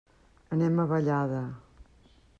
Anem a Vallada.